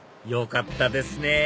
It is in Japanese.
よかったですね！